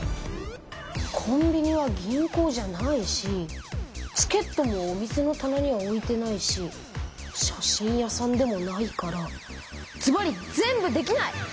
コンビニは銀行じゃないしチケットもお店のたなには置いてないし写真屋さんでもないからずばり全部できない！